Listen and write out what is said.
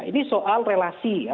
ini soal relasi ya